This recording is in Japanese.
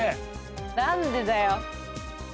何でだよ。